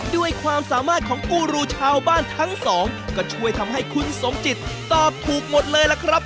ด้วยความสามารถของกูรูชาวบ้านทั้งสองก็ช่วยทำให้คุณสมจิตตอบถูกหมดเลยล่ะครับ